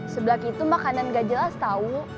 sebelak itu makanan gak jelas tau